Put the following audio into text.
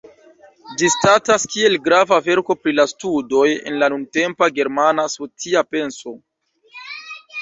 Ĝi statas kiel grava verko pri la studoj en la nuntempa germana socia penso.